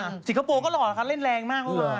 อโฮจิโกโปะก็หล่อเล่นแรงมากมาก